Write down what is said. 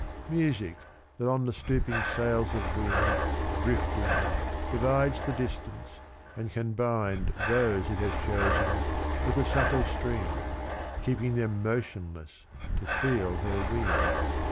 . Music, that on the stooping sails of wind. Drifting, divides the distance, and can bind Those it has chosen with a supple string, Keeping them motionless to feel her wing, 71 Et in Arcadia, Omnes.